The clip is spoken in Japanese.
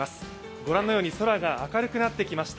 御覧のように空が明るくなってきました。